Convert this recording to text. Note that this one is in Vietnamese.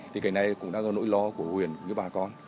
thì cảnh này cũng đang là nỗi lo của huyện với bà con